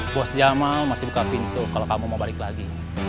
bos jamal masih buka pintu kalau kamu mau balik lagi